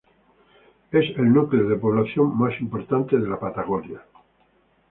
Es el núcleo de población más importante de la Patagonia.